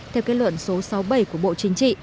theo kết luận số sáu mươi bảy của bộ chính trị